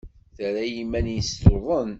Terra iman-nnes tuḍen.